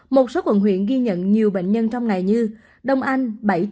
một số quận huyện ghi nhận nhiều bệnh nhân trong ngày như đông anh bảy